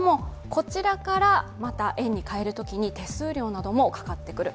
こちらからまた円にかえるときに手数料もかかってくる。